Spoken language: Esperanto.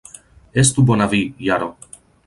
Estu bona vi, Jaro!